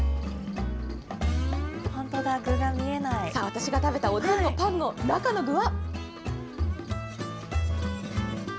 さあ、私が食べたおでんのパンの中の具は。